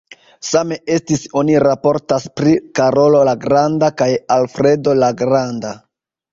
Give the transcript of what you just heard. Same estis, oni raportas, pri Karolo la Granda kaj Alfredo la Granda.